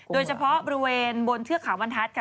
โดยเฉพาะบริเวณบนเทือกเขาบรรทัศน์ค่ะ